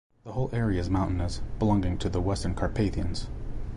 The whole area is mountainous, belonging to the Western Carpathians.